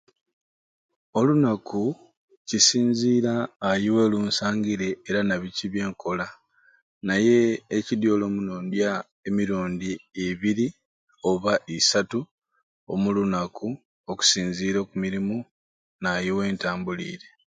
Olunaku kisinziira aai werunsangire na biki byenkola naye ekidyoli omuno ndya emirundi ibiri oba isatu omu lunaku okusinziira oku mirimu n'ai wentambuliire.